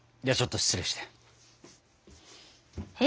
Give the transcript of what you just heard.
ではちょっと失礼して。